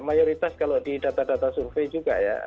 mayoritas kalau di data data survei juga ya